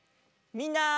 みんな！